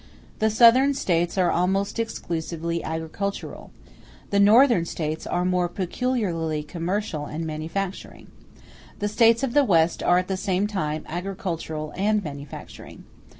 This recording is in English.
The Southern States are almost exclusively agricultural. The Northern States are more peculiarly commercial and manufacturing. The States of the West are at the same time agricultural and manufacturing.